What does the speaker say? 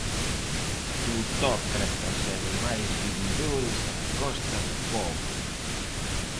Plutócratas e demais vividores a costa do pobo.